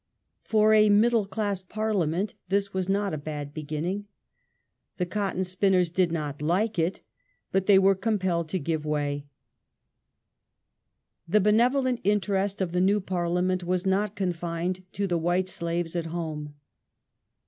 For a " middle class " Parliament this was not a bad beginning. The cotton spinners did not like it, but they were compelled to v give way, "^ The benevolent interest of the new Parliament was not con Slavery fined to the "White Slaves" at home.